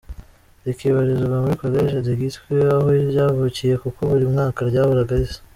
rikibarizwa muri College de Gitwe aho ryavukiye kuko buri mwaka ryahoraga risa